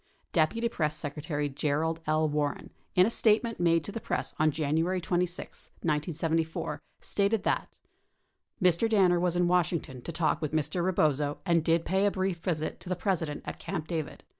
41 Deputy Press Secretary Gerald L. Warren, in a statement made to the press on January 26, 1974, stated that :Mr. Danner was in Washington to talk with Mr. Rebozo and did pay a brief visit to the President at Camp David.